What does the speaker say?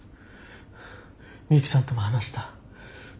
ミユキさんとも話した。